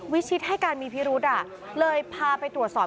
วิชิตให้การมีพิรุษเลยพาไปตรวจสอบ